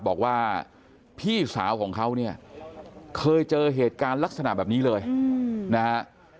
บอกว่าพี่สาวของเขาเนี่ยเคยเจอเหตุการณ์ลักษณะแบบนี้เลยนะฮะ